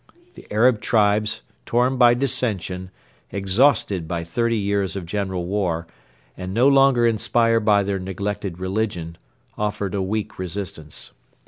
The Arab tribes, torn by dissension, exhausted by thirty years of general war, and no longer inspired by their neglected religion, offered a weak resistance.